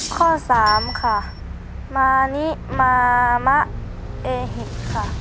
ข้อสามค่ะมานิมามะเอหิค่ะ